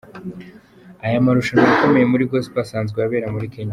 Aya marushanwa akomeye muri Gospel asanzwe abera muri Kenya.